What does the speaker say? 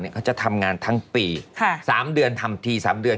เขาจะทำงานทั้งปี๓เดือนทำที๓เดือน